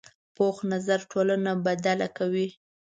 پوخ نظر ټولنه بدله کوي